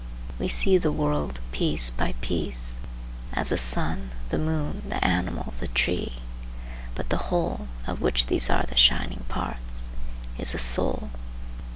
We see the world piece by piece, as the sun, the moon, the animal, the tree; but the whole, of which these are the shining parts, is the soul.